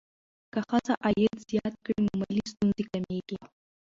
که ښځه عاید زیات کړي، نو مالي ستونزې کمېږي.